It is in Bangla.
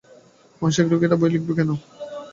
মানসিক রুগীরা বই লিখবে কেন?